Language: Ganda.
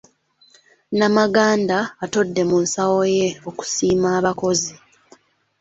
Namaganda atodde mu nsawo ye okusiima abakozi.